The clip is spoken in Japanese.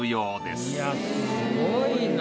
すごいな。